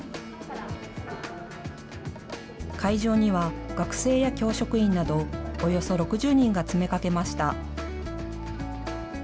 会場には学生や教職員などおよそ６０人が詰め掛けました。